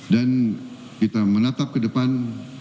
dan kita menatap ke depan